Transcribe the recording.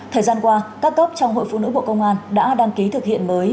thời gian qua các cấp trong hội phụ nữ bộ công an đã đăng ký thực hiện mới